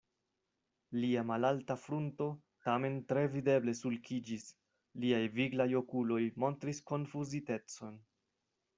Lia malalta frunto tamen tre videble sulkiĝis, liaj viglaj okuloj montris konfuzitecon.